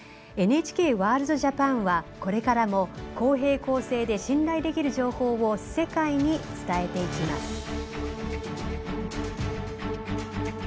「ＮＨＫワールドＪＡＰＡＮ」はこれからも公平・公正で信頼できる情報を世界に伝えていきます。